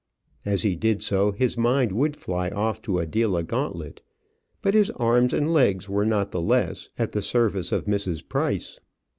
As he did so, his mind would fly off to Adela Gauntlet; but his arms and legs were not the less at the service of Mrs. Price.